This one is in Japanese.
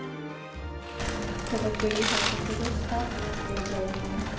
すごくいい報告でした。